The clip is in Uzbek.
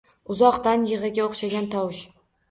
Uzoqdan yig’iga o’xshagan tovush